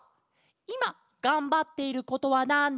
「いまがんばっていることはなんですか？」。